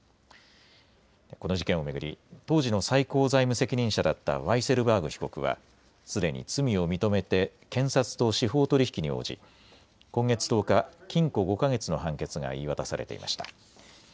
この事件を巡り、当時の最高財務責任者だったワイセルバーグ被告はすでに罪を認めて検察と司法取引に応じ、今月１０日、禁錮５か月の判決が言い渡されていました。